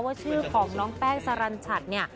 ว่าชื่อของน้องแป้งสารัญชัตริย์เนี่ย